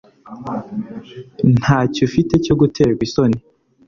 ntacyo ufite cyo guterwa isoni